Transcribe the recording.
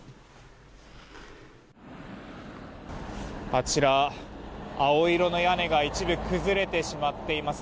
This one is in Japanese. あちら、青色の屋根が一部崩れてしまっています。